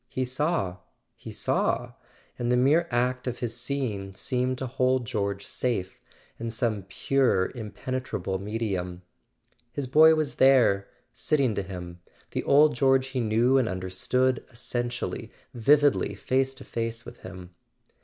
He saw—he saw; and the mere act of his seeing seemed to hold George safe in some pure impenetrable medium. His boy was there, sitting to him, the old George he knew and un¬ derstood, essentially, vividly face to face with him.